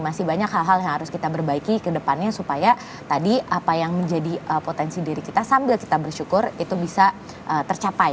masih banyak hal hal yang harus kita perbaiki ke depannya supaya tadi apa yang menjadi potensi diri kita sambil kita bersyukur itu bisa tercapai